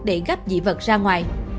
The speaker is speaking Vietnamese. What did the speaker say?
để gắp dị vật ra ngoài